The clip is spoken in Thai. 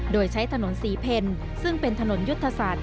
โดยใช้ถนนศรีเพลซึ่งเป็นถนนยุทธศาสตร์